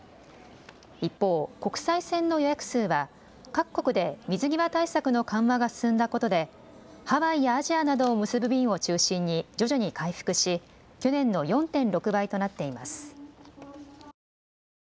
一方、国際線の予約数は各国で水際対策の緩和が進んだことでハワイやアジアなどを結ぶ便を中心に徐々に回復し去年の４．６倍となっています。